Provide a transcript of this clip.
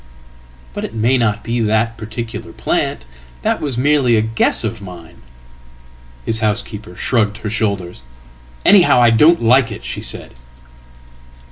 ""But it may not be that particular plant. That was merely a guess ofmine."His housekeeper shrugged her shoulders. "Anyhow I don't like it," shesaid.